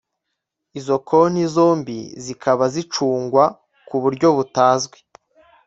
izo konti zombi zikaba zicungwa ku buryo butazwi